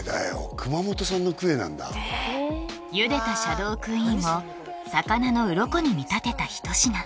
熊本産のクエなんだゆでたシャドークイーンを魚のウロコに見立てた一品